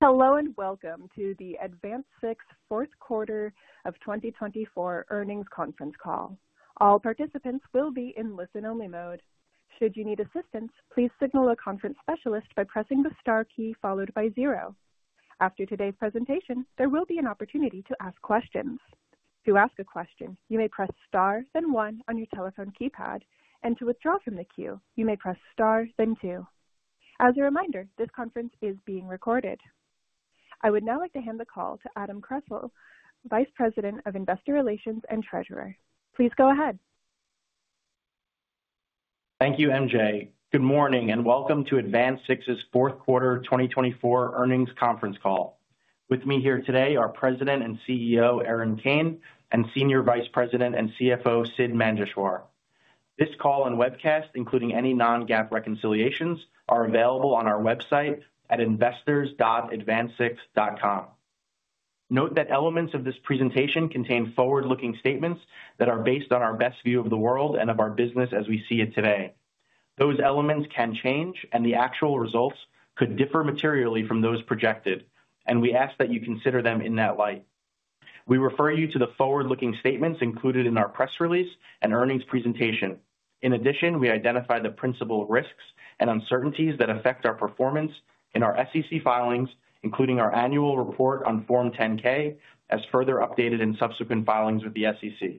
Hello and welcome to the AdvanSix fourth quarter of 2024 earnings conference call. All participants will be in listen-only mode. Should you need assistance, please signal a conference specialist by pressing the star key followed by zero. After today's presentation, there will be an opportunity to ask questions. To ask a question, you may press star, then one on your telephone keypad, and to withdraw from the queue, you may press star, then two. As a reminder, this conference is being recorded. I would now like to hand the call to Adam Kressel, Vice President of Investor Relations and Treasurer. Please go ahead. Thank you, MJ. Good morning and welcome to AdvanSix's fourth quarter 2024 earnings conference call. With me here today are President and CEO Erin Kane and Senior Vice President and CFO Sidd Manjeshwar. This call and webcast, including any non-GAAP reconciliations, are available on our website at investors.advanSix.com. Note that elements of this presentation contain forward-looking statements that are based on our best view of the world and of our business as we see it today. Those elements can change, and the actual results could differ materially from those projected, and we ask that you consider them in that light. We refer you to the forward-looking statements included in our press release and earnings presentation. In addition, we identify the principal risks and uncertainties that affect our performance in our SEC filings, including our annual report on Form 10-K, as further updated in subsequent filings with the SEC.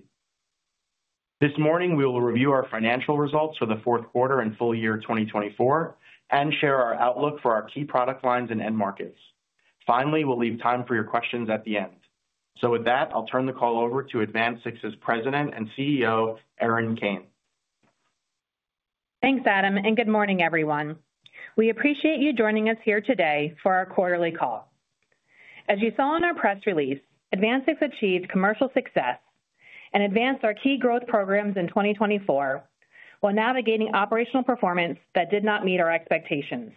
This morning, we will review our financial results for the fourth quarter and full year 2024 and share our outlook for our key product lines and end markets. Finally, we'll leave time for your questions at the end, so with that, I'll turn the call over to AdvanSix's President and CEO Erin Kane. Thanks, Adam, and good morning, everyone. We appreciate you joining us here today for our quarterly call. As you saw in our press release, AdvanSix achieved commercial success and advanced our key growth programs in 2024 while navigating operational performance that did not meet our expectations.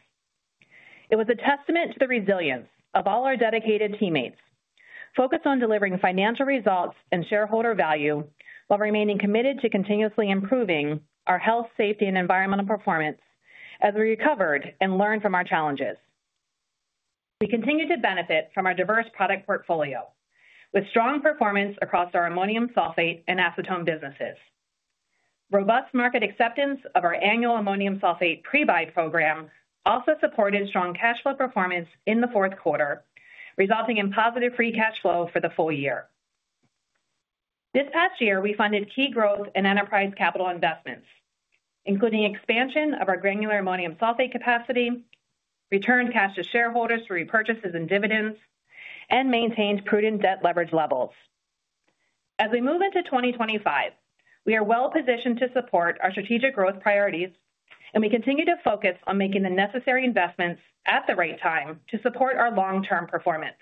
It was a testament to the resilience of all our dedicated teammates focused on delivering financial results and shareholder value while remaining committed to continuously improving our health, safety, and environmental performance as we recovered and learned from our challenges. We continue to benefit from our diverse product portfolio with strong performance across our ammonium sulfate and acetone businesses. Robust market acceptance of our annual ammonium sulfate pre-buy program also supported strong cash flow performance in the fourth quarter, resulting in positive free cash flow for the full year. This past year, we funded key growth and enterprise capital investments, including expansion of our granular ammonium sulfate capacity, returned cash to shareholders through repurchases and dividends, and maintained prudent debt leverage levels. As we move into 2025, we are well positioned to support our strategic growth priorities, and we continue to focus on making the necessary investments at the right time to support our long-term performance.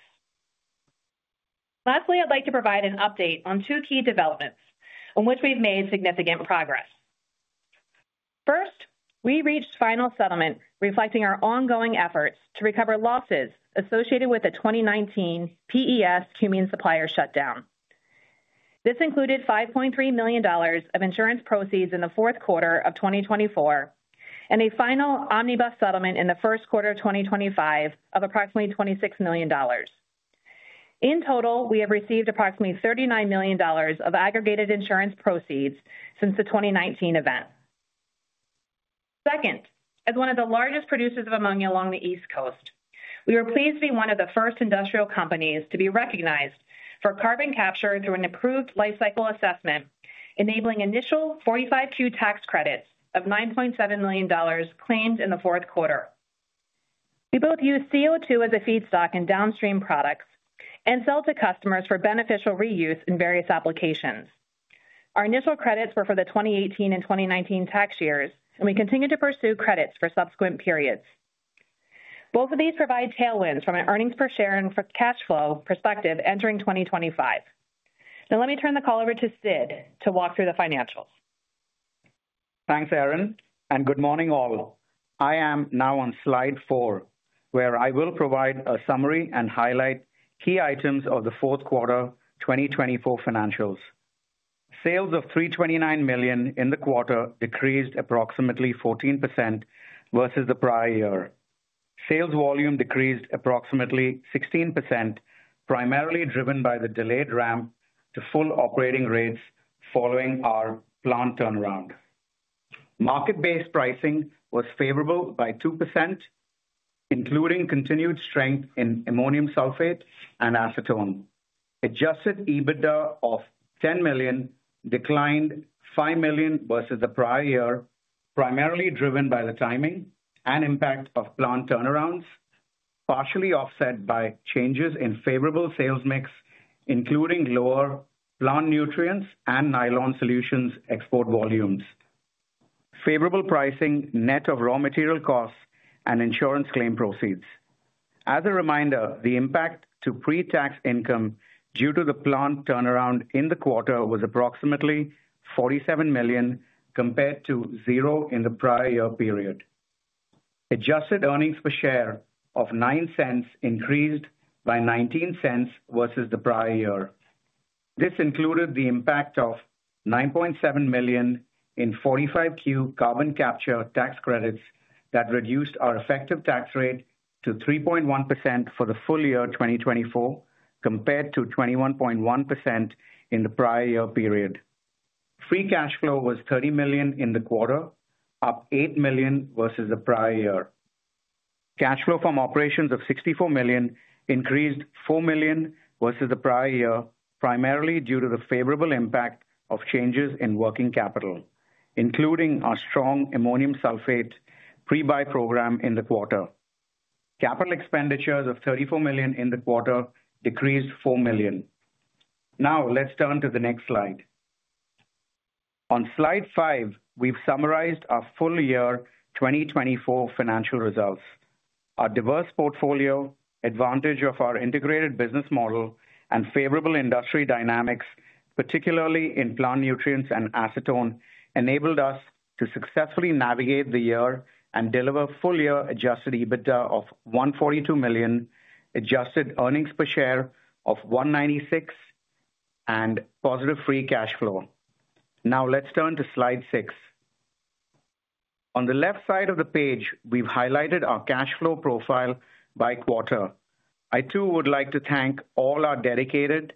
Lastly, I'd like to provide an update on two key developments on which we've made significant progress. First, we reached final settlement reflecting our ongoing efforts to recover losses associated with the 2019 PES cumulative supplier shutdown. This included $5.3 million of insurance proceeds in the fourth quarter of 2024 and a final omnibus settlement in the first quarter of 2025 of approximately $26 million. In total, we have received approximately $39 million of aggregated insurance proceeds since the 2019 event. Second, as one of the largest producers of ammonia along the East Coast, we were pleased to be one of the first industrial companies to be recognized for carbon capture through an improved life cycle assessment, enabling initial 45Q tax credits of $9.7 million claimed in the fourth quarter. We both use CO2 as a feedstock in downstream products and sell to customers for beneficial reuse in various applications. Our initial credits were for the 2018 and 2019 tax years, and we continue to pursue credits for subsequent periods. Both of these provide tailwinds from an earnings per share and cash flow perspective entering 2025. Now, let me turn the call over to Sidd to walk through the financials. Thanks, Erin, and good morning all. I am now on slide four, where I will provide a summary and highlight key items of the fourth quarter 2024 financials. Sales of $329 million in the quarter decreased approximately 14% versus the prior year. Sales volume decreased approximately 16%, primarily driven by the delayed ramp to full operating rates following our plant turnaround. Market-based pricing was favorable by 2%, including continued strength in ammonium sulfate and acetone. Adjusted EBITDA of $10 million declined $5 million versus the prior year, primarily driven by the timing and impact of plant turnarounds, partially offset by changes in favorable sales mix, including lower plant nutrients and nylon solutions export volumes, favorable pricing net of raw material costs and insurance claim proceeds. As a reminder, the impact to pre-tax income due to the plant turnaround in the quarter was approximately $47 million compared to zero in the prior year period. Adjusted earnings per share of $0.09 increased by $0.19 versus the prior year. This included the impact of $9.7 million in 45Q carbon capture tax credits that reduced our effective tax rate to 3.1% for the full year 2024 compared to 21.1% in the prior year period. Free cash flow was $30 million in the quarter, up $8 million versus the prior year. Cash flow from operations of $64 million increased $4 million versus the prior year, primarily due to the favorable impact of changes in working capital, including our strong ammonium sulfate pre-buy program in the quarter. Capital expenditures of $34 million in the quarter decreased $4 million. Now, let's turn to the next slide. On slide five, we've summarized our full year 2024 financial results. Our diverse portfolio, advantage of our integrated business model, and favorable industry dynamics, particularly in plant nutrients and acetone, enabled us to successfully navigate the year and deliver full year adjusted EBITDA of $142 million, adjusted earnings per share of $196, and positive free cash flow. Now, let's turn to slide six. On the left side of the page, we've highlighted our cash flow profile by quarter. I too would like to thank all our dedicated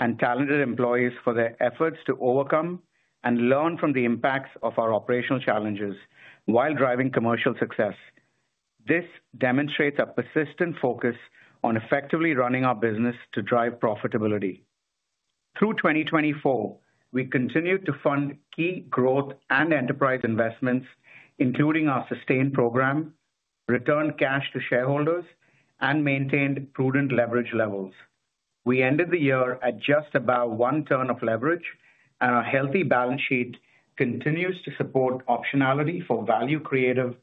and talented employees for their efforts to overcome and learn from the impacts of our operational challenges while driving commercial success. This demonstrates a persistent focus on effectively running our business to drive profitability. Through 2024, we continued to fund key growth and enterprise investments, including our SUSTAIN program, returned cash to shareholders, and maintained prudent leverage levels. We ended the year at just about one turn of leverage, and our healthy balance sheet continues to support optionality for value-creative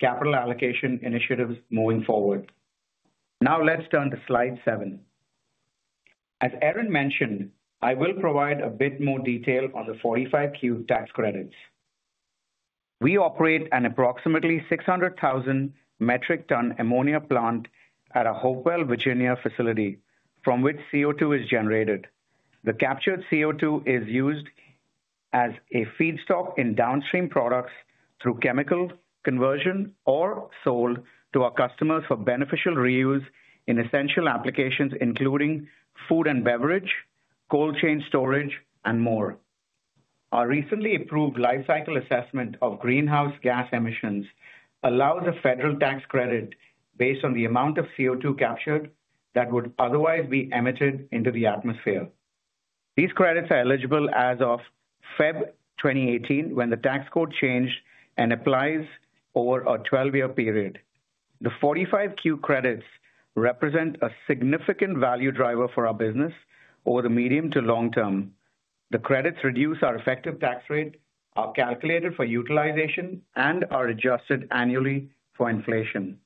capital allocation initiatives moving forward. Now, let's turn to slide seven. As Erin mentioned, I will provide a bit more detail on the 45Q tax credits. We operate an approximately 600,000 metric ton ammonia plant at a Hopewell, Virginia facility from which CO2 is generated. The captured CO2 is used as a feedstock in downstream products through chemical conversion or sold to our customers for beneficial reuse in essential applications, including food and beverage, cold chain storage, and more. Our recently approved life cycle assessment of greenhouse gas emissions allows a federal tax credit based on the amount of CO2 captured that would otherwise be emitted into the atmosphere. These credits are eligible as of February 2018 when the tax code changed and applies over a 12-year period. The 45Q credits represent a significant value driver for our business over the medium to long term. The credits reduce our effective tax rate, are calculated for utilization, and are adjusted annually for inflation.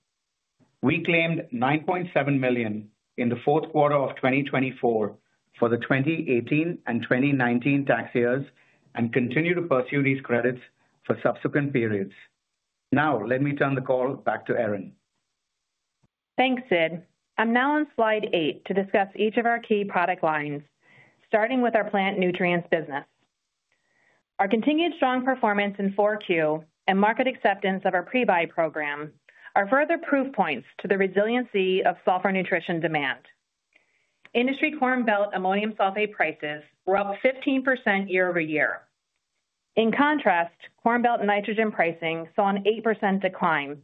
We claimed $9.7 million in the fourth quarter of 2024 for the 2018 and 2019 tax years and continue to pursue these credits for subsequent periods. Now, let me turn the call back to Erin. Thanks, Sidd. I'm now on slide eight to discuss each of our key product lines, starting with our plant nutrients business. Our continued strong performance in 4Q and market acceptance of our pre-buy program are further proof points to the resiliency of sulfur nutrition demand. Industry Corn Belt ammonium sulfate prices were up 15% year-over-year. In contrast, Corn Belt nitrogen pricing saw an 8% decline,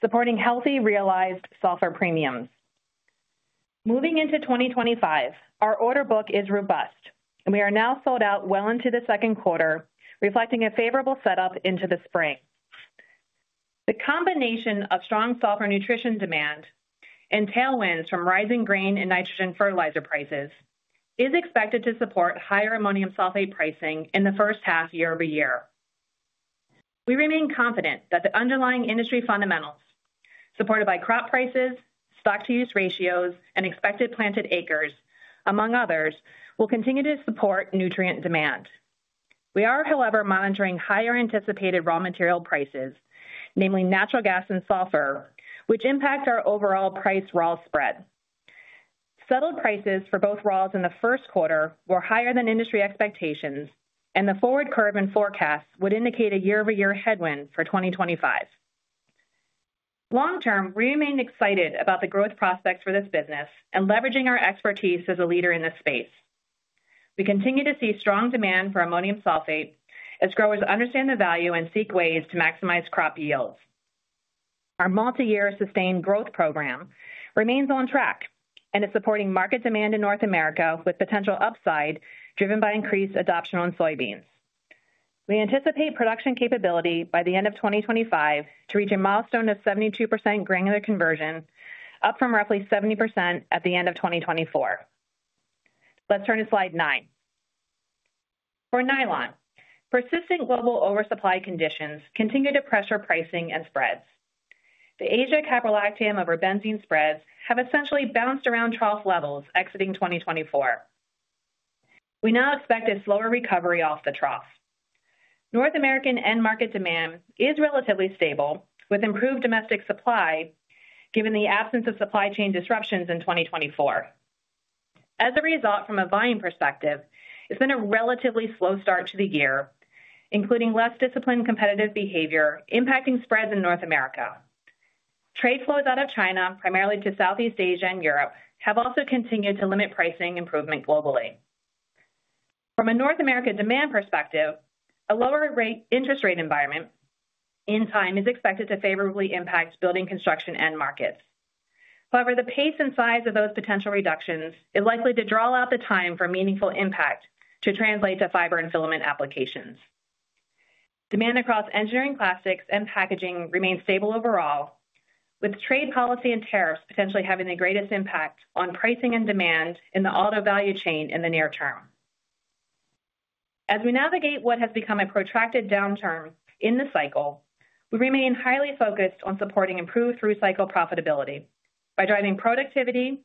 supporting healthy realized sulfur premiums. Moving into 2025, our order book is robust, and we are now sold out well into the second quarter, reflecting a favorable setup into the spring. The combination of strong sulfur nutrition demand and tailwinds from rising grain and nitrogen fertilizer prices is expected to support higher ammonium sulfate pricing in the first half year-over-year. We remain confident that the underlying industry fundamentals, supported by crop prices, stock-to-use ratios, and expected planted acres, among others, will continue to support nutrient demand. We are, however, monitoring higher anticipated raw material prices, namely natural gas and sulfur, which impact our overall price raw spread. Settled prices for both raws in the first quarter were higher than industry expectations, and the forward curve and forecasts would indicate a year-over-year headwind for 2025. Long term, we remain excited about the growth prospects for this business and leveraging our expertise as a leader in this space. We continue to see strong demand for ammonium sulfate as growers understand the value and seek ways to maximize crop yields. Our multi-year SUSTAIN program remains on track and is supporting market demand in North America with potential upside driven by increased adoption on soybeans. We anticipate production capability by the end of 2025 to reach a milestone of 72% granular conversion, up from roughly 70% at the end of 2024. Let's turn to slide nine. For nylon, persistent global oversupply conditions continue to pressure pricing and spreads. The Asia caprolactam over benzene spreads have essentially bounced around trough levels exiting 2024. We now expect a slower recovery off the trough. North American end market demand is relatively stable with improved domestic supply given the absence of supply chain disruptions in 2024. As a result, from a buying perspective, it's been a relatively slow start to the year, including less disciplined competitive behavior impacting spreads in North America. Trade flows out of China, primarily to Southeast Asia and Europe, have also continued to limit pricing improvement globally. From a North America demand perspective, a lower interest rate environment in time is expected to favorably impact building construction and markets. However, the pace and size of those potential reductions is likely to draw out the time for meaningful impact to translate to fiber and filament applications. Demand across engineering plastics and packaging remains stable overall, with trade policy and tariffs potentially having the greatest impact on pricing and demand in the auto value chain in the near term. As we navigate what has become a protracted downturn in the cycle, we remain highly focused on supporting improved through cycle profitability by driving productivity,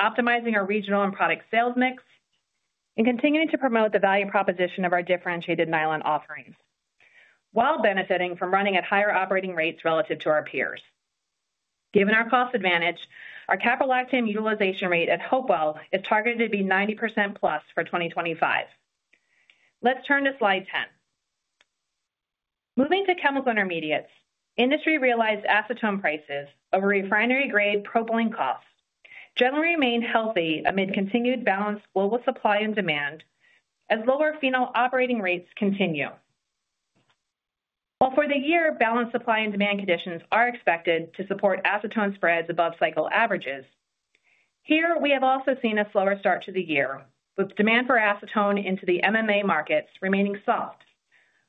optimizing our regional and product sales mix, and continuing to promote the value proposition of our differentiated nylon offerings, while benefiting from running at higher operating rates relative to our peers. Given our cost advantage, our caprolactam utilization rate at Hopewell is targeted to be 90%+ for 2025. Let's turn to slide 10. Moving to chemical intermediates, industry realized acetone prices over refinery-grade propylene costs generally remain healthy amid continued balanced global supply and demand as lower phenol operating rates continue. While for the year, balanced supply and demand conditions are expected to support acetone spreads above cycle averages, here we have also seen a slower start to the year, with demand for acetone into the MMA markets remaining soft,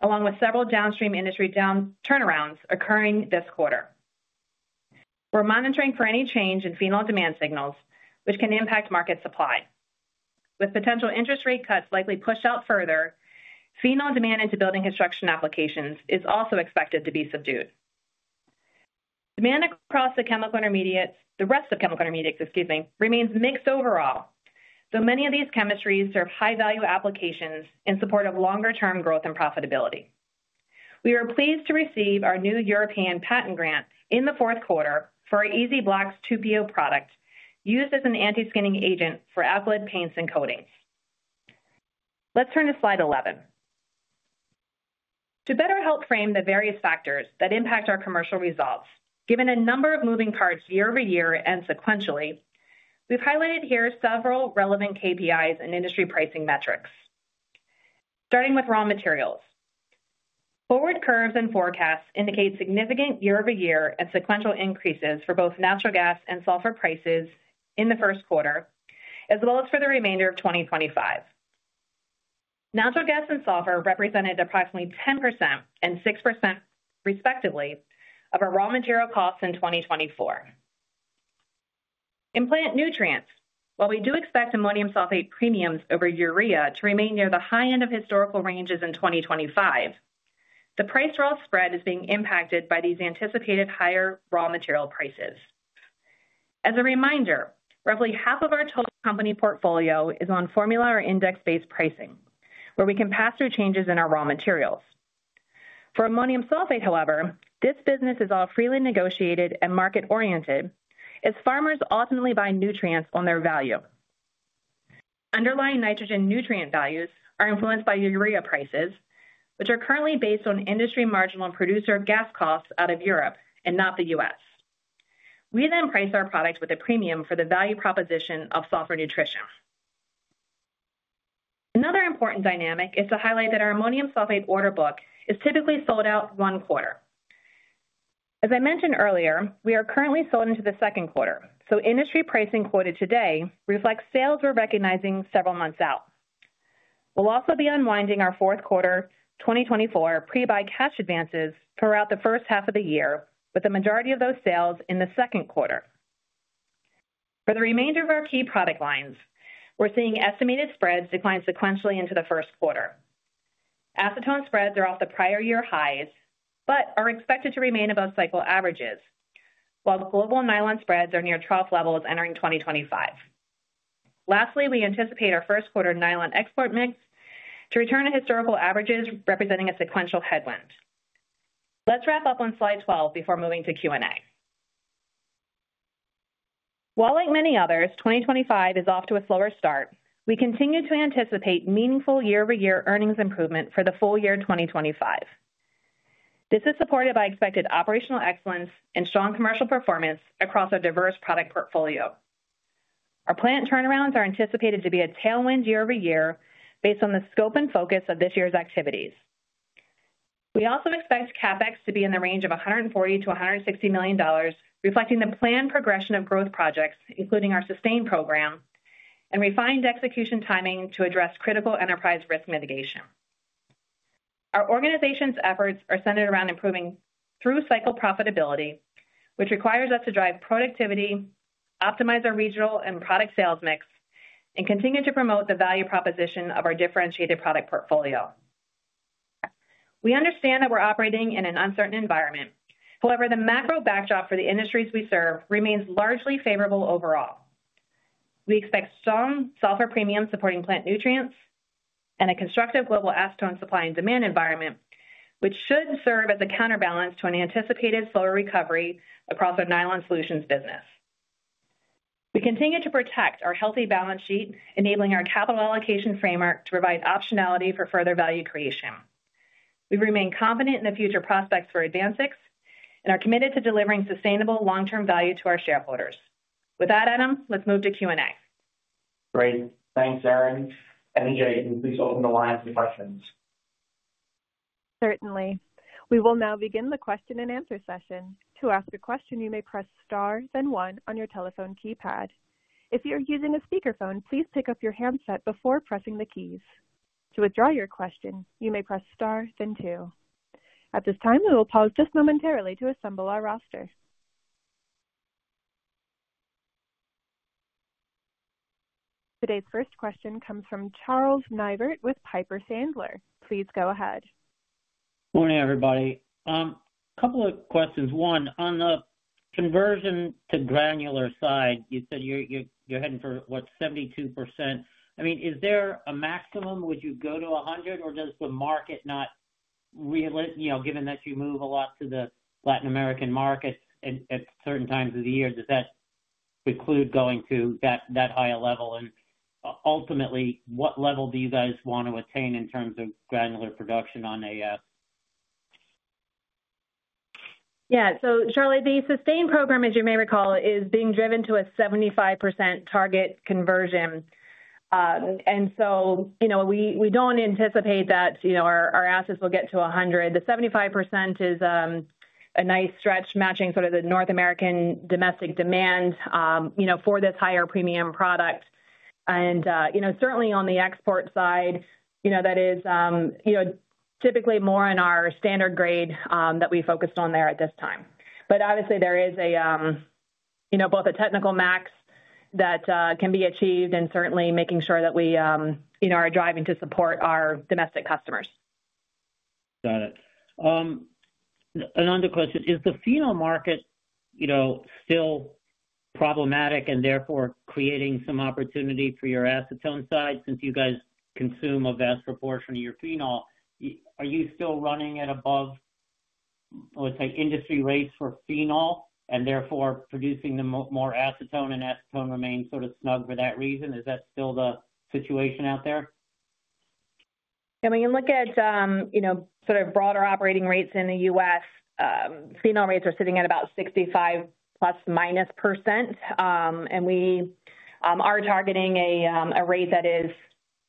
along with several downstream industry turnarounds occurring this quarter. We're monitoring for any change in phenol demand signals, which can impact market supply. With potential interest rate cuts likely pushed out further, phenol demand into building construction applications is also expected to be subdued. Demand across the chemical intermediates, the rest of chemical intermediates, excuse me, remains mixed overall, though many of these chemistries serve high-value applications in support of longer-term growth and profitability. We are pleased to receive our new European patent grant in the fourth quarter for our EZ-Blox 2PO product, used as an anti-skinning agent for acrylic paints and coatings. Let's turn to slide 11. To better help frame the various factors that impact our commercial results, given a number of moving parts year-over-year and sequentially, we've highlighted here several relevant KPIs and industry pricing metrics, starting with raw materials. Forward curves and forecasts indicate significant year-over-year and sequential increases for both natural gas and sulfur prices in the first quarter, as well as for the remainder of 2025. Natural gas and sulfur represented approximately 10% and 6%, respectively of our raw material costs in 2024. In plant nutrients, while we do expect ammonium sulfate premiums over urea to remain near the high end of historical ranges in 2025, the price-raw spread is being impacted by these anticipated higher raw material prices. As a reminder, roughly half of our total company portfolio is on formula or index-based pricing, where we can pass through changes in our raw materials. For ammonium sulfate, however, this business is all freely negotiated and market-oriented as farmers ultimately buy nutrients on their value. Underlying nitrogen nutrient values are influenced by urea prices, which are currently based on industry marginal and producer gas costs out of Europe and not the U.S. We then price our product with a premium for the value proposition of sulfur nutrition. Another important dynamic is to highlight that our ammonium sulfate order book is typically sold out one quarter. As I mentioned earlier, we are currently sold into the second quarter, so industry pricing quoted today reflects sales we're recognizing several months out. We'll also be unwinding our fourth quarter 2024 pre-buy cash advances throughout the first half of the year, with the majority of those sales in the second quarter. For the remainder of our key product lines, we're seeing estimated spreads decline sequentially into the first quarter. Acetone spreads are off the prior year highs but are expected to remain above cycle averages, while global nylon spreads are near trough levels entering 2025. Lastly, we anticipate our first quarter nylon export mix to return to historical averages representing a sequential headwind. Let's wrap up on slide 12 before moving to Q&A. While like many others, 2025 is off to a slower start, we continue to anticipate meaningful year-over-year earnings improvement for the full year 2025. This is supported by expected operational excellence and strong commercial performance across our diverse product portfolio. Our plant turnarounds are anticipated to be a tailwind year-over-year based on the scope and focus of this year's activities. We also expect CapEx to be in the range of $140 million-$160 million, reflecting the planned progression of growth projects, including our SUSTAIN program and refined execution timing to address critical enterprise risk mitigation. Our organization's efforts are centered around improving through cycle profitability, which requires us to drive productivity, optimize our regional and product sales mix, and continue to promote the value proposition of our differentiated product portfolio. We understand that we're operating in an uncertain environment. However, the macro backdrop for the industries we serve remains largely favorable overall. We expect strong sulfur premiums supporting plant nutrients and a constructive global acetone supply and demand environment, which should serve as a counterbalance to an anticipated slower recovery across our nylon solutions business. We continue to protect our healthy balance sheet, enabling our capital allocation framework to provide optionality for further value creation. We remain confident in the future prospects for AdvanSix and are committed to delivering sustainable long-term value to our shareholders. With that, Adam, let's move to Q&A. Great. Thanks, Erin. MJ, can you please open the line to questions? Certainly. We will now begin the question and answer session. To ask a question, you may press star then one on your telephone keypad. If you're using a speakerphone, please pick up your handset before pressing the keys. To withdraw your question, you may press star then two. At this time, we will pause just momentarily to assemble our roster. Today's first question comes from Charles Neivert with Piper Sandler. Please go ahead. Morning, everybody. A couple of questions. One, on the conversion to granular side, you said you're heading for, what, 72%. I mean, is there a maximum? Would you go to 100%, or does the market not really, you know, given that you move a lot to the Latin American market at certain times of the year, does that preclude going to that high level? And ultimately, what level do you guys want to attain in terms of granular production on AS? Yeah. So, Charlie, the SUSTAIN program, as you may recall, is being driven to a 75% target conversion. And so, you know, we don't anticipate that, you know, our assets will get to 100%. The 75% is a nice stretch matching sort of the North American domestic demand, you know, for this higher premium product. And, you know, certainly on the export side, you know, that is, you know, typically more in our standard grade that we focused on there at this time. But obviously, there is a, you know, both a technical max that can be achieved and certainly making sure that we, you know, are driving to support our domestic customers. Got it. Another question. Is the phenol market, you know, still problematic and therefore creating some opportunity for your acetone side since you guys consume a vast proportion of your phenol? Are you still running at above, let's say, industry rates for phenol and therefore producing more acetone and acetone remains sort of snug for that reason? Is that still the situation out there? Yeah. When you look at, you know, sort of broader operating rates in the U.S., phenol rates are sitting at about 65% plus or minus. And we are targeting a rate that is,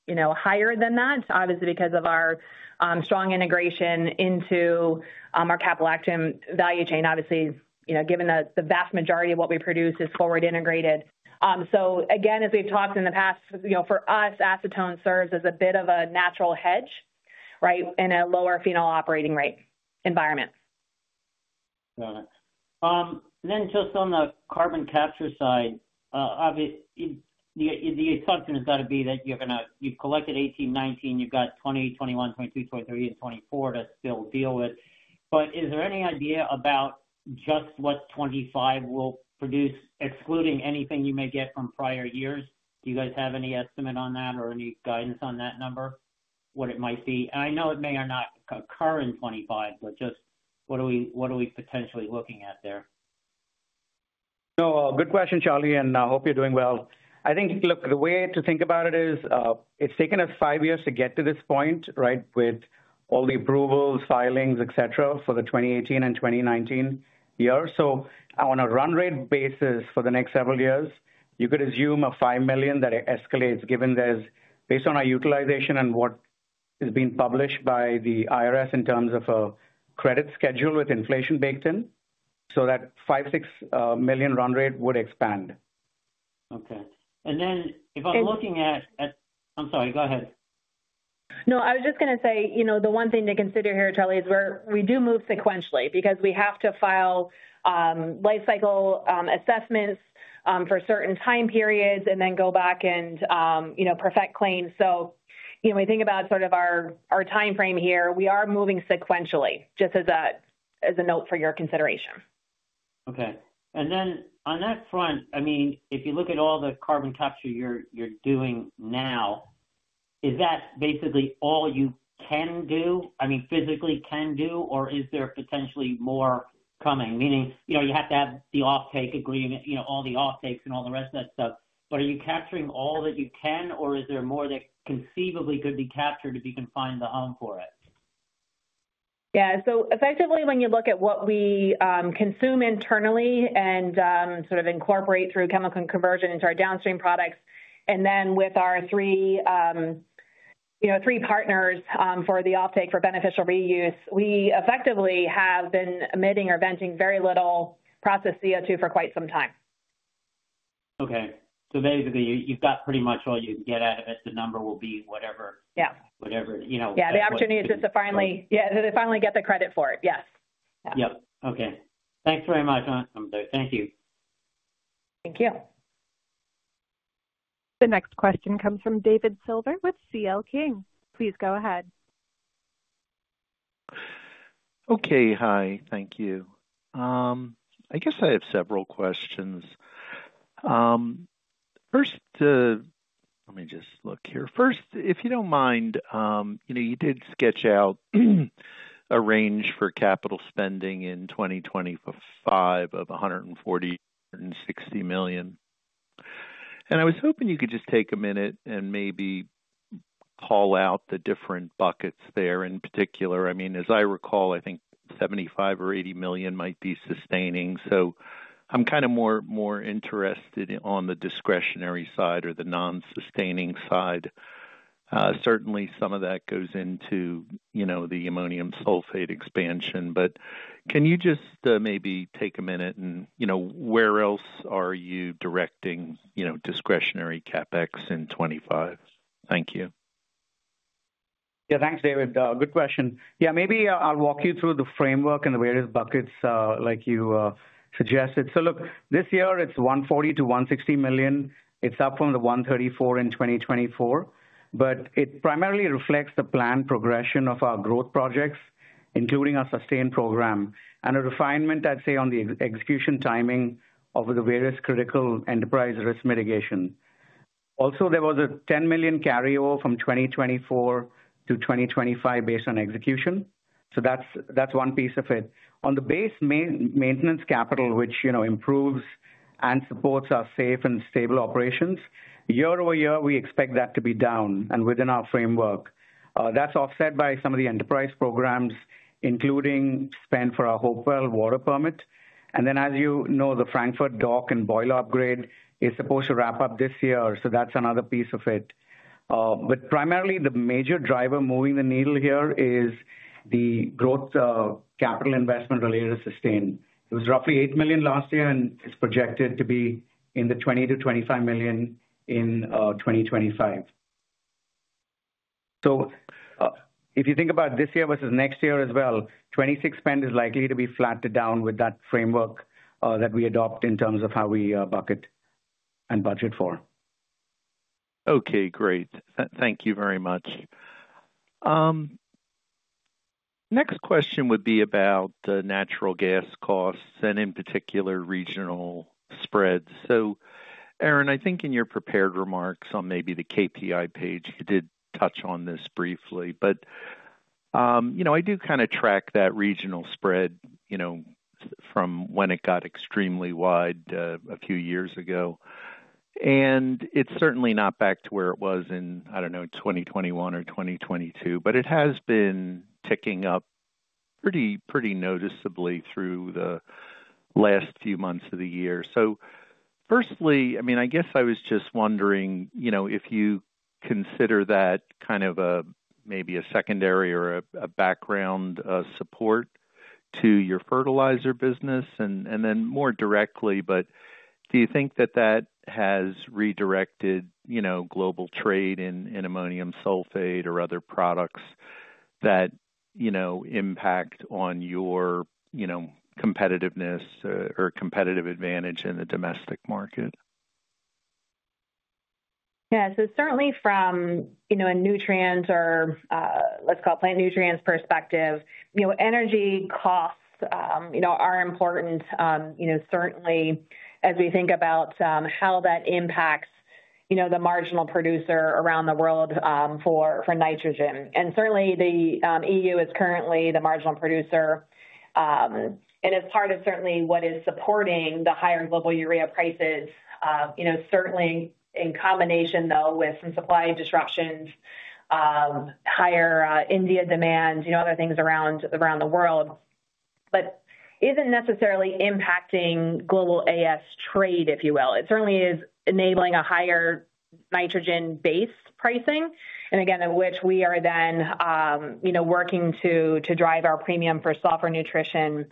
you know, higher than that, obviously, because of our strong integration into our caprolactam value chain. Obviously, you know, given that the vast majority of what we produce is forward integrated. So again, as we've talked in the past, you know, for us, acetone serves as a bit of a natural hedge, right, in a lower phenol operating rate environment. Got it. And then just on the carbon capture side, obviously, the assumption has got to be that you're going to, you've collected 2018, 2019, you've got 2020, 2021, 2022, 2023, and 2024 to still deal with. But is there any idea about just what 2025 will produce, excluding anything you may get from prior years? Do you guys have any estimate on that or any guidance on that number, what it might be? And I know it may or not occur in 2025, but just what are we potentially looking at there? No, good question, Charlie, and I hope you're doing well. I think, look, the way to think about it is it's taken us five years to get to this point, right, with all the approvals, filings, et cetera, for the 2018 and 2019 years. So on a run rate basis for the next several years, you could assume a $5 million that escalates, given there's, based on our utilization and what is being published by the IRS in terms of a credit schedule with inflation baked in, so that $5 million-$6 million run rate would expand. Okay. And then if I'm looking at, I'm sorry, go ahead. No, I was just going to say, you know, the one thing to consider here, Charlie, is where we do move sequentially because we have to file life cycle assessments for certain time periods and then go back and, you know, perfect claims. So, you know, we think about sort of our timeframe here, we are moving sequentially, just as a note for your consideration. Okay. And then on that front, I mean, if you look at all the carbon capture you're doing now, is that basically all you can do, I mean, physically can do, or is there potentially more coming? Meaning, you know, you have to have the off-take agreement, you know, all the off-takes and all the rest of that stuff. But are you capturing all that you can, or is there more that conceivably could be captured if you can find the home for it? Yeah, so effectively, when you look at what we consume internally and sort of incorporate through chemical conversion into our downstream products, and then with our three, you know, three partners for the off-take for beneficial reuse, we effectively have been emitting or venting very little processed CO2 for quite some time. Okay. Basically, you've got pretty much all you can get out of it. The number will be whatever, you know. Yeah. The opportunity is just to finally get the credit for it. Yes. Yep. Okay. Thanks very much. I'm sorry. Thank you. Thank you. The next question comes from David Silver with CL King. Please go ahead. Okay. Hi. Thank you. I guess I have several questions. First, let me just look here. First, if you don't mind, you know, you did sketch out a range for capital spending in 2025 of $140 million-$160 million. And I was hoping you could just take a minute and maybe call out the different buckets there in particular. I mean, as I recall, I think $75 million or $80 million might be sustaining. So I'm kind of more interested on the discretionary side or the non-sustaining side. Certainly, some of that goes into, you know, the ammonium sulfate expansion. But can you just maybe take a minute and, you know, where else are you directing, you know, discretionary CapEx in 2025? Thank you. Yeah. Thanks, David. Good question. Yeah. Maybe I'll walk you through the framework and the various buckets like you suggested. So look, this year, it's $140 million-$160 million. It's up from the $134 million in 2024. But it primarily reflects the planned progression of our growth projects, including our SUSTAIN program, and a refinement, I'd say, on the execution timing over the various critical enterprise risk mitigation. Also, there was a $10 million carryover from 2024 to 2025 based on execution. So that's one piece of it. On the base maintenance capital, which, you know, improves and supports our safe and stable operations, year-over-year, we expect that to be down and within our framework. That's offset by some of the enterprise programs, including spend for our Hopewell water permit. And then, as you know, the Frankford dock and boiler upgrade is supposed to wrap up this year. So that's another piece of it. But primarily, the major driver moving the needle here is the growth capital investment related to SUSTAIN. It was roughly $8 million last year, and it's projected to be in the $20 million-$25 million in 2025. So if you think about this year versus next year as well, 2026 spend is likely to be flattened down with that framework that we adopt in terms of how we bucket and budget for. Okay. Great. Thank you very much. Next question would be about the natural gas costs and, in particular, regional spreads. So, Erin, I think in your prepared remarks on maybe the KPI page, you did touch on this briefly, but you know, I do kind of track that regional spread, you know, from when it got extremely wide a few years ago, and it's certainly not back to where it was in, I don't know, 2021 or 2022, but it has been ticking up pretty noticeably through the last few months of the year. Firstly, I mean, I guess I was just wondering, you know, if you consider that kind of a maybe a secondary or a background support to your fertilizer business, and then more directly, but do you think that that has redirected, you know, global trade in ammonium sulfate or other products that, you know, impact on your, you know, competitiveness or competitive advantage in the domestic market? Yeah. So certainly from, you know, a nutrient or let's call it plant nutrients perspective, you know, energy costs, you know, are important, you know, certainly as we think about how that impacts, you know, the marginal producer around the world for nitrogen. And certainly, the EU is currently the marginal producer. And as part of certainly what is supporting the higher global urea prices, you know, certainly in combination, though, with some supply disruptions, higher India demand, you know, other things around the world, but isn't necessarily impacting global AS trade, if you will. It certainly is enabling a higher nitrogen-based pricing, and again, of which we are then, you know, working to drive our premium for sulfur nutrition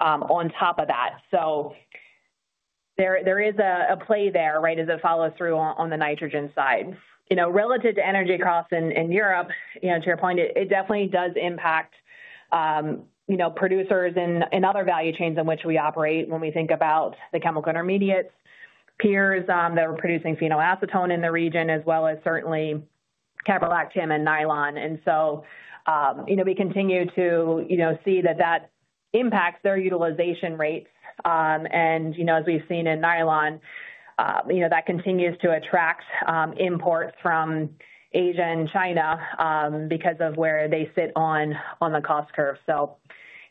on top of that. So there is a play there, right, as a follow-through on the nitrogen side. You know, relative to energy costs in Europe, you know, to your point, it definitely does impact, you know, producers in other value chains in which we operate when we think about the chemical intermediates peers that are producing phenol, acetone in the region, as well as certainly caprolactam and nylon. And so, you know, we continue to, you know, see that that impacts their utilization rates. And, you know, as we've seen in nylon, you know, that continues to attract imports from Asia and China because of where they sit on the cost curve. So,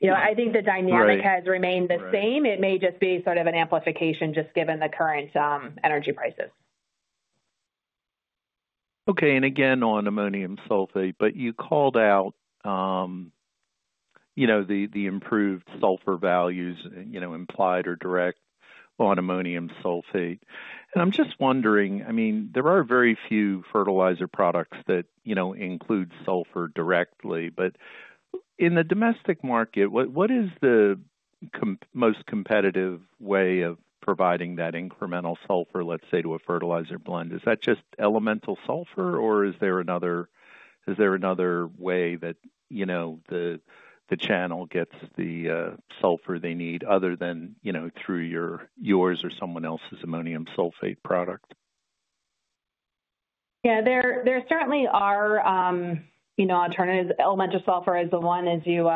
you know, I think the dynamic has remained the same. It may just be sort of an amplification just given the current energy prices. Okay, and again, on ammonium sulfate, but you called out, you know, the improved sulfur values, you know, implied or direct on ammonium sulfate. And I'm just wondering, I mean, there are very few fertilizer products that, you know, include sulfur directly. But in the domestic market, what is the most competitive way of providing that incremental sulfur, let's say, to a fertilizer blend? Is that just elemental sulfur, or is there another way that, you know, the channel gets the sulfur they need other than, you know, through yours or someone else's ammonium sulfate product? Yeah. There certainly are, you know, alternatives. Elemental sulfur is the one, as you,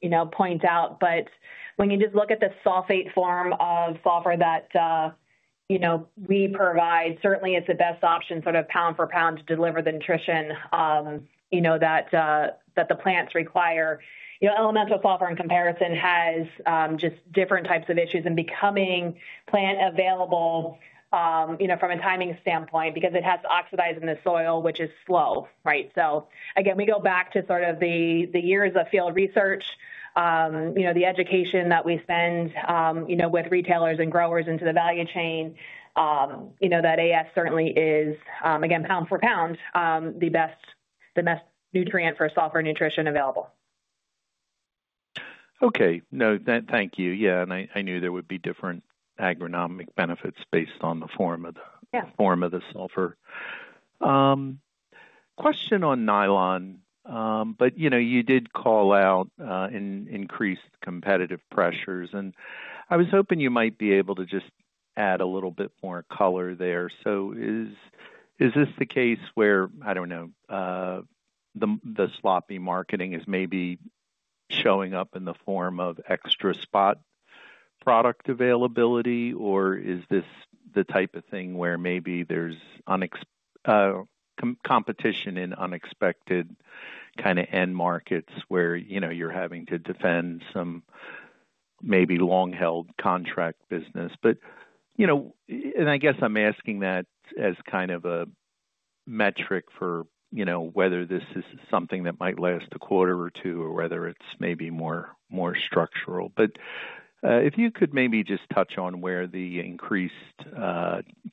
you know, point out. But when you just look at the sulfate form of sulfur that, you know, we provide, certainly it's the best option sort of pound for pound to deliver the nutrition, you know, that the plants require. You know, elemental sulfur in comparison has just different types of issues in becoming plant available, you know, from a timing standpoint because it has to oxidize in the soil, which is slow, right? So again, we go back to sort of the years of field research, you know, the education that we spend, you know, with retailers and growers into the value chain, you know, that AS certainly is, again, pound for pound, the best nutrient for sulfur nutrition available. Okay. No, thank you. Yeah. And I knew there would be different agronomic benefits based on the form of the sulfur. Question on nylon, but, you know, you did call out increased competitive pressures, and I was hoping you might be able to just add a little bit more color there. So is this the case where, I don't know, the sloppy marketing is maybe showing up in the form of extra spot product availability, or is this the type of thing where maybe there's competition in unexpected kind of end markets where, you know, you're having to defend some maybe long-held contract business? But, you know, and I guess I'm asking that as kind of a metric for, you know, whether this is something that might last a quarter or two or whether it's maybe more structural. But if you could maybe just touch on where the increased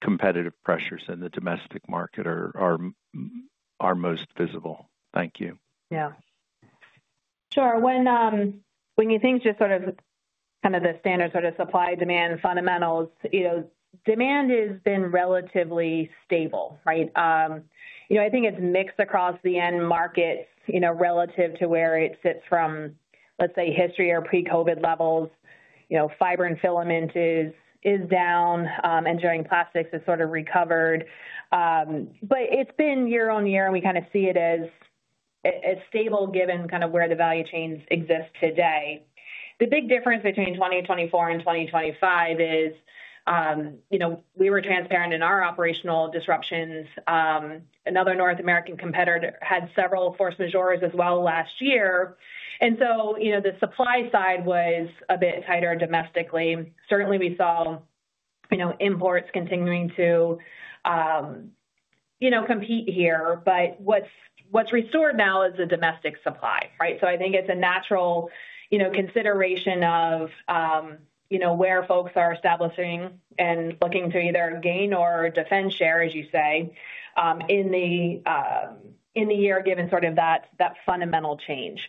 competitive pressures in the domestic market are most visible? Thank you. Yeah. Sure. When you think just sort of kind of the standard sort of supply-demand fundamentals, you know, demand has been relatively stable, right? You know, I think it's mixed across the end markets, you know, relative to where it sits from, let's say, history or pre-COVID levels. You know, fiber and filament is down, and industrial plastics, it's sort of recovered. But it's been year on year, and we kind of see it as stable given kind of where the value chains exist today. The big difference between 2024 and 2025 is, you know, we were transparent in our operational disruptions. Another North American competitor had several force majeures as well last year. And so, you know, the supply side was a bit tighter domestically. Certainly, we saw, you know, imports continuing to, you know, compete here. But what's restored now is the domestic supply, right? So I think it's a natural, you know, consideration of, you know, where folks are establishing and looking to either gain or defend share, as you say, in the year given sort of that fundamental change.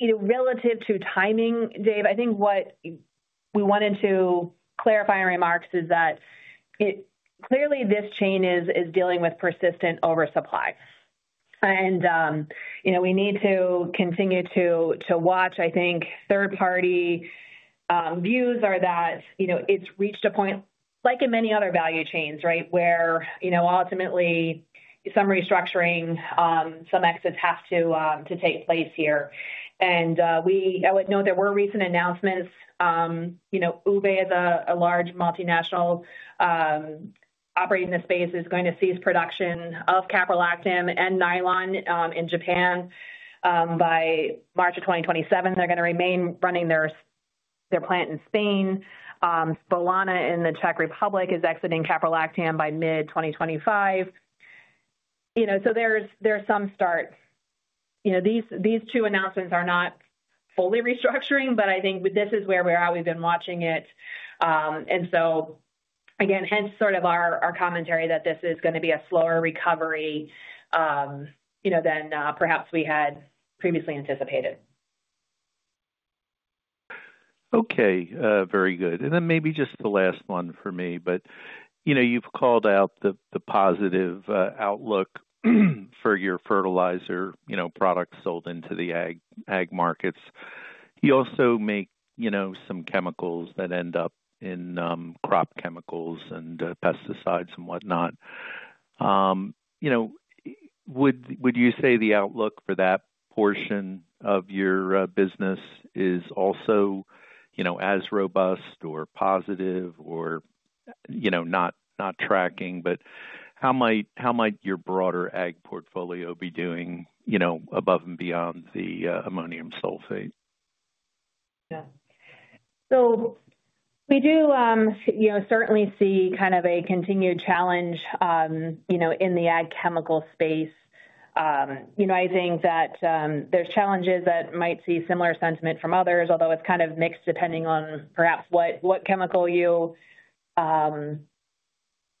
You know, relative to timing, Dave, I think what we wanted to clarify in remarks is that clearly this chain is dealing with persistent oversupply. And, you know, we need to continue to watch. I think third-party views are that, you know, it's reached a point, like in many other value chains, right, where, you know, ultimately, some restructuring, some exits have to take place here. And I would note there were recent announcements, you know, UBE, as a large multinational operating in this space, is going to cease production of caprolactam and nylon in Japan by March of 2027. They're going to remain running their plant in Spain. Spolana in the Czech Republic is exiting caprolactam by mid-2025. You know, so there's some start. You know, these two announcements are not fully restructuring, but I think this is where we're at. We've been watching it. And so, again, hence sort of our commentary that this is going to be a slower recovery, you know, than perhaps we had previously anticipated. Okay. Very good. And then maybe just the last one for me. But, you know, you've called out the positive outlook for your fertilizer, you know, products sold into the ag markets. You also make, you know, some chemicals that end up in crop chemicals and pesticides and whatnot. You know, would you say the outlook for that portion of your business is also, you know, as robust or positive or, you know, not tracking, but how might your broader ag portfolio be doing, you know, above and beyond the ammonium sulfate? Yeah. So we do, you know, certainly see kind of a continued challenge, you know, in the ag chemical space. You know, I think that there's challenges that might see similar sentiment from others, although it's kind of mixed depending on perhaps what chemical you are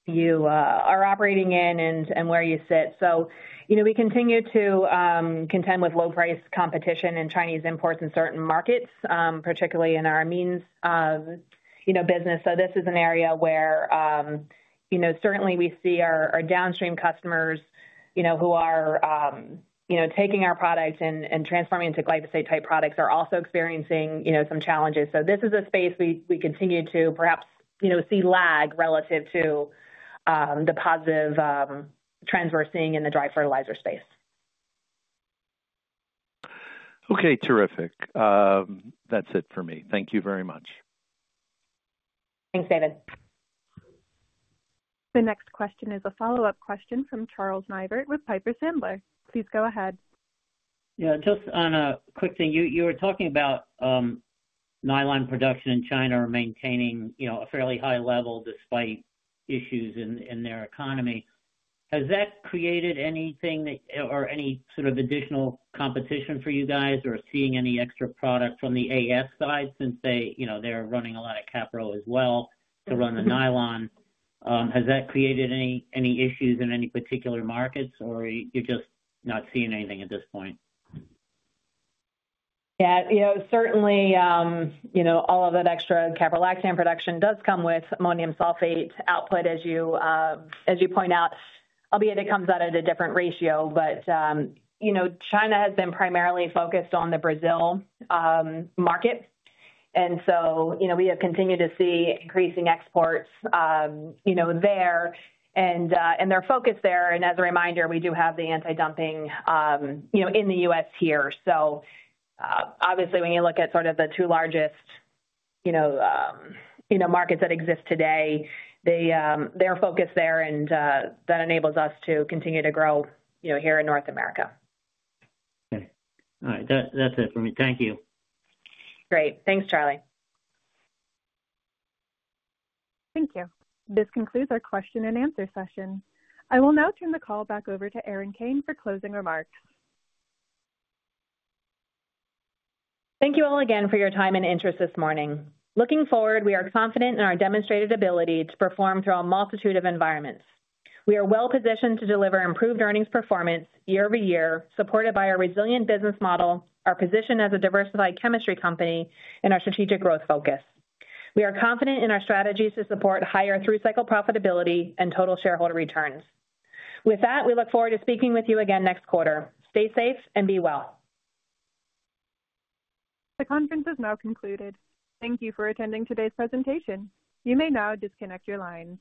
operating in and where you sit. So, you know, we continue to contend with low-price competition and Chinese imports in certain markets, particularly in our ammonium sulfate, you know, business. So this is an area where, you know, certainly we see our downstream customers, you know, who are, you know, taking our product and transforming into glyphosate-type products are also experiencing, you know, some challenges. So this is a space we continue to perhaps, you know, see lag relative to the positive trends we're seeing in the dry fertilizer space. Okay. Terrific. That's it for me. Thank you very much. Thanks, David. The next question is a follow-up question from Charles Neivert with Piper Sandler. Please go ahead. Yeah. Just on a quick thing, you were talking about nylon production in China or maintaining, you know, a fairly high level despite issues in their economy. Has that created anything or any sort of additional competition for you guys or seeing any extra product from the Asia side since they, you know, they're running a lot of Capro as well to run the nylon? Has that created any issues in any particular markets, or you're just not seeing anything at this point? Yeah. You know, certainly, you know, all of that extra caprolactam production does come with ammonium sulfate output, as you point out, albeit it comes out at a different ratio, but you know, China has been primarily focused on the Brazil market. And so, you know, we have continued to see increasing exports, you know, there, and their focus there, and as a reminder, we do have the anti-dumping, you know, in the U.S. here, so obviously, when you look at sort of the two largest, you know, markets that exist today, their focus there, and that enables us to continue to grow, you know, here in North America. Okay. All right. That's it for me. Thank you. Great. Thanks, Charlie. Thank you. This concludes our question-and-answer session. I will now turn the call back over to Erin Kane for closing remarks. Thank you all again for your time and interest this morning. Looking forward, we are confident in our demonstrated ability to perform through a multitude of environments. We are well-positioned to deliver improved earnings performance year-over-year, supported by our resilient business model, our position as a diversified chemistry company, and our strategic growth focus. We are confident in our strategies to support higher through-cycle profitability and total shareholder returns. With that, we look forward to speaking with you again next quarter. Stay safe and be well. The conference is now concluded. Thank you for attending today's presentation. You may now disconnect your lines.